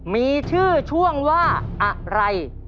มีชื่อช่วงว่าอะไร